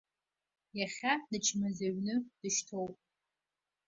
Иахьа дычмазаҩны дышьҭоуп.